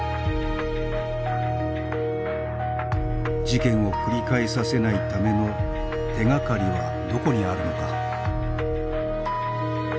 事件を繰り返させないための手掛かりはどこにあるのか。